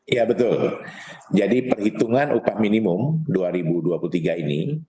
ya betul jadi perhitungan upah minimum dua ribu dua puluh tiga ini